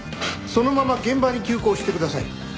そのまま現場に急行してください。